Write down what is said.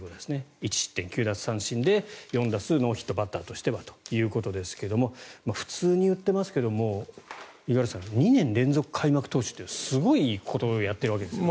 １失点９奪三振で４打数ノーヒットバッターとしてはということですが普通に言っていますが五十嵐さん２年連続開幕投手ってすごいことをやってるわけですよね。